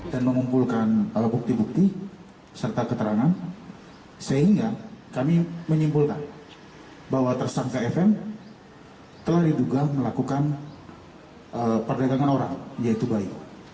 dan mengumpulkan bukti bukti serta keterangan sehingga kami menyimpulkan bahwa tersangka fm telah diduga melakukan perdagangan orang yaitu bayu